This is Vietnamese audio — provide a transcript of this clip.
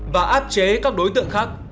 và áp chế các đối tượng khác